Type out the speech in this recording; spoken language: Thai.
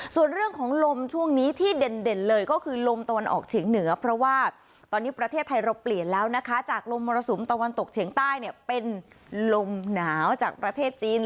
ส่วนเรื่องของลมช่วงนี้ที่เด่นเลยก็คือลมตะวันออกเฉียงเหนือเพราะว่าตอนนี้ประเทศไทยเราเปลี่ยนแล้วนะคะจากลมมรสุมตะวันตกเฉียงใต้เนี่ยเป็นลมหนาวจากประเทศจีน